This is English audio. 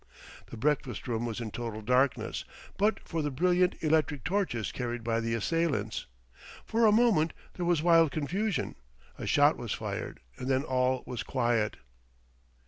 The breakfast room was in total darkness; but for the brilliant electric torches carried by the assailants. For a moment there was wild confusion, a shot was fired and then all was quiet.